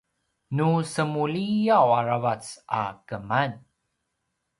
nu semuliyaw aravac a keman